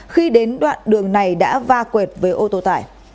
khi đến đoạn đường này đã va quệt